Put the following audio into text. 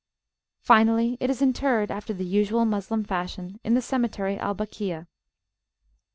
Finally, it is interred after the usual Moslem fashion in the cemetery Al Bakia.